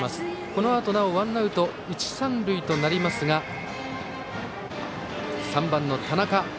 このあと、なおワンアウト一、三となりますが３番の田中。